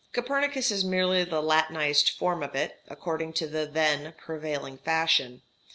Copernicus is merely the Latinized form of it, according to the then prevailing fashion.